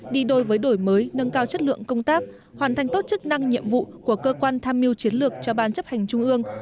đi đôi với đổi mới nâng cao chất lượng công tác hoàn thành tốt chức năng nhiệm vụ của cơ quan tham mưu chiến lược cho ban chấp hành trung ương